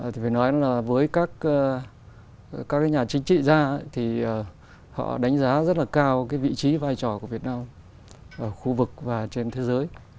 thì phải nói là với các nhà chính trị gia thì họ đánh giá rất là cao cái vị trí vai trò của việt nam ở khu vực và trên thế giới